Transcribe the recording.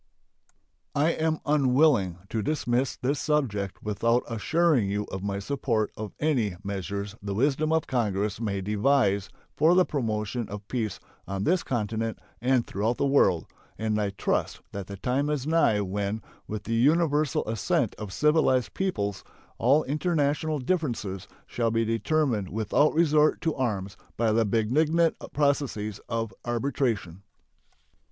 I am unwilling to dismiss this subject without assuring you of my support of any measures the wisdom of Congress may devise for the promotion of peace on this continent and throughout the world, and I trust that the time is nigh when, with the universal assent of civilized peoples, all international differences shall be determined without resort to arms by the benignant processes of arbitration.